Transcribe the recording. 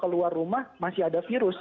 kalau luar rumah masih ada virus